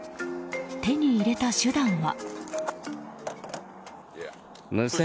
手に入れた手段は。